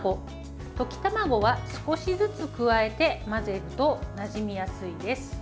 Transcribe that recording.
溶き卵は少しずつ加えて混ぜるとなじみやすいです。